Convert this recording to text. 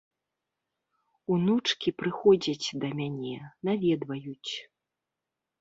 Унучкі прыходзяць да мяне, наведваюць.